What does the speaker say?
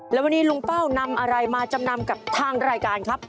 แล้ววันนี้ลุงเป้านำอะไรมาจำนำกับทางรายการครับ